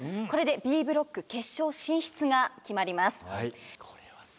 これでＢブロック決勝進出が決まります。